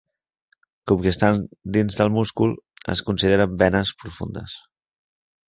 Com que estan dins del múscul, es consideren venes profundes.